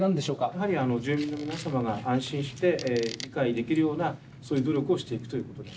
やはり住民の皆様が安心して理解できるようなそういう努力をしていくということで。